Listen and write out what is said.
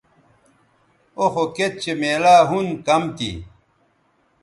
او خو کِت چہء میلاو ھُن کم تھی